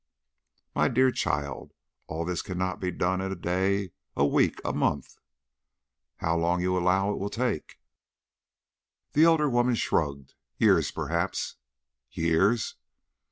"My dear child, all this cannot be done in a day, a week, a month." "How long you allow it will take?" The elder woman shrugged. "Years, perhaps." "Years?"